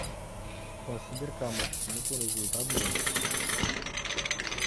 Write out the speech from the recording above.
Consider că am obținut un rezultat bun.